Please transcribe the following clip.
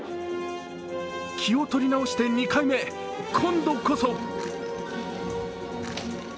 気を取り直して２回目、今度こそ！